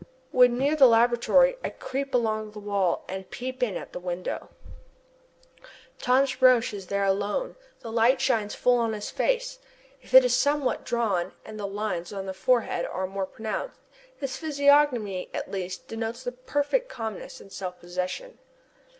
When near the laboratory, I creep along the wall and peep in at the window. Thomas Roch is there alone. The light shines full on his face. If it is somewhat drawn, and the lines on the forehead are more pronounced, his physiognomy, at least, denotes perfect calmness and self possession.